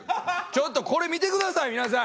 ちょっとこれ見て下さい皆さん。